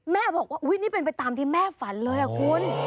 แม่บอกว่าอุ๊ยนี่เป็นไปตามที่แม่ฝันเลยคุณ